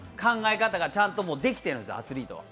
考え方ができてるんです、アスリートは。